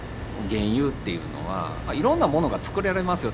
原油っていうのはいろんなものがつくられますよ。